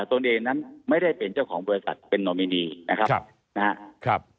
ตนเองนั้นไม่ได้เป็นเจ้าของบริษัทเป็นนอมินีนะครับนะครับ